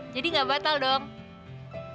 jadi gak batal dong